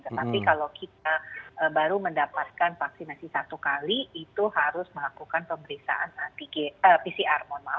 tetapi kalau kita baru mendapatkan vaksinasi satu kali itu harus melakukan pemeriksaan pcr